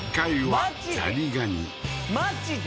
マジで？